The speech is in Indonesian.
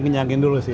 kenyangin dulu sih